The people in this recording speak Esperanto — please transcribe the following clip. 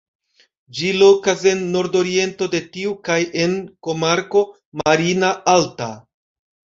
Ĝi lokas en nordoriento de tiu kaj en komarko "Marina Alta".